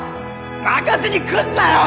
泣かせにくんなよ！